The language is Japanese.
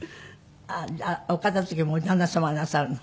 お片付けも旦那様がなさるの？